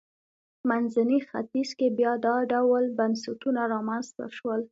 منځني ختیځ کې بیا دا ډول بنسټونه رامنځته شول.